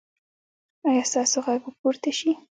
ایا ستاسو غږ به پورته شي؟